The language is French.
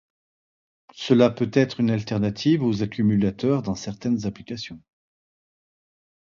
Cela peut être une alternative aux accumulateurs dans certaines applications.